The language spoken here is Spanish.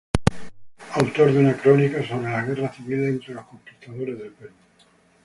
Autor de una crónica sobre las guerras civiles entre los conquistadores del Perú.